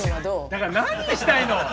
だから何したいの？